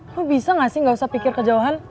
lo bisa gak sih gak usah pikir kejauhan